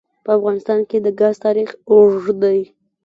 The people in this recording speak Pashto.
په افغانستان کې د ګاز تاریخ اوږد دی.